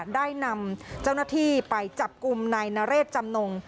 ได้นำเจ้าหน้าที่ไปจับกลุ่มนายนเรศจำนง